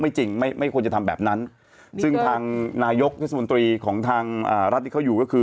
มันไม่จริงไม่ควรจะทำแบบนั้นซึ่งทางนายกของทางรัฐที่เขาอยู่